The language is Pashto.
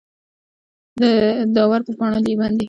داور پر پاڼو باندي ،